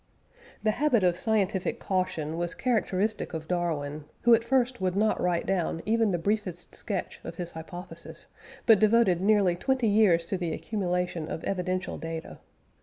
The habit of scientific caution was characteristic of Darwin, who at first would not write down "even the briefest sketch" of his hypothesis, but devoted nearly twenty years to the accumulation of evidential data.